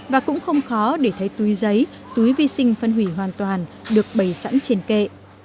và cũng không khó để thấy túi giấy túi vi sinh phân hủy hoàn toàn được bày sẵn trên kệ